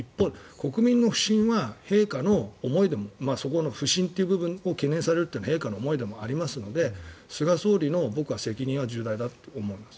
国民の不信は陛下がそこの不信という部分を懸念されるというのは陛下の思いでもありますので菅総理の責任は重大だと思います。